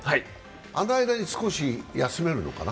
あの間に少し休めるのかな？